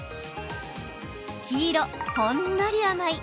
黄色・ほんのり甘い！